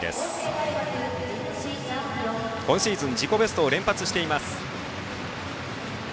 地主直央、今シーズン自己ベストを連発しています。